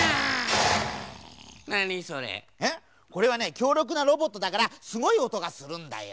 きょうりょくなロボットだからすごいおとがするんだよ。